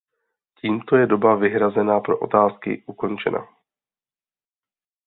Tímto je doba vyhrazená pro otázky ukončena.